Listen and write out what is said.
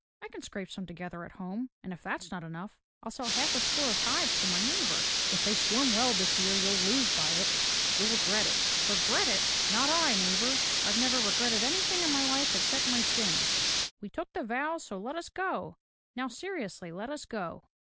" I can scrape some together at home, and if that's not enough, I'll sell half a score of hives to my neighbor." " If they swarm well this year you'll lose by it. You'll regret it !" "Regret it! Not I, neighbor! I never regretted anything in my life except my sins! We took the vows, so let us go. Now seriously, let us go."